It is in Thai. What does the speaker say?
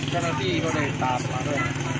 เจ้าหน้าที่ก็เลยตามมาด้วย